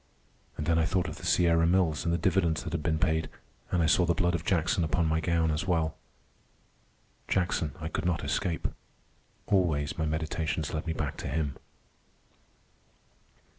And then I thought of the Sierra Mills and the dividends that had been paid, and I saw the blood of Jackson upon my gown as well. Jackson I could not escape. Always my meditations led me back to him.